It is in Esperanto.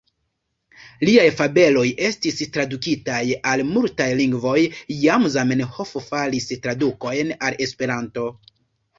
Liaj fabeloj estis tradukitaj al multaj lingvoj; jam Zamenhof faris tradukojn al Esperanto.